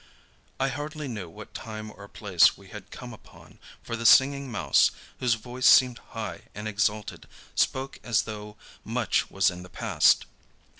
I hardly knew what time or place we had come upon, for the Singing Mouse, whose voice seemed high and exalted, spoke as though much was in the past.